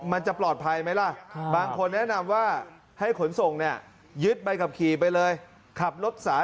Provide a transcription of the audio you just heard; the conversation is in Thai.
โอ้โหโทรให้พ่อแม่มารับดีกว่า